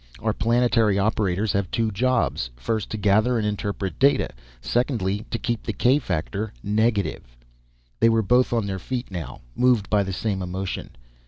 Our planetary operators have two jobs. First to gather and interpret data. Secondly to keep the k factor negative." They were both on their feet now, moved by the same emotion.